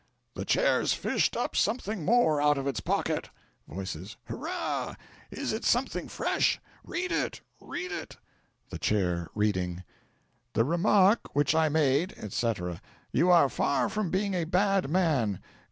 The Chair's fished up something more out of its pocket." Voices. "Hurrah! Is it something fresh? Read it! read! read!" The Chair (reading). "'The remark which I made,' etc. 'You are far from being a bad man.